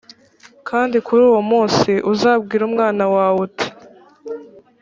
kandi kuri uwo munsi uzabwire umwana wawe uti